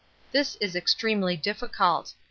This is extremely difficult.